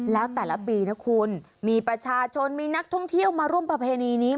แล้วแต่ละปีนะคุณมีประชาชนมีนักท่องเที่ยวมาร่วมประเพณีนี้